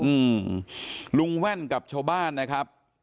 อืมลุงแว่นกับชาวบ้านนะครับ